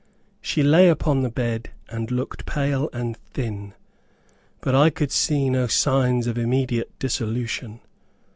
She lay upon the bed, and looked pale and thin, but I could see no signs of immediate dissolution.